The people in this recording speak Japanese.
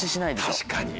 確かに。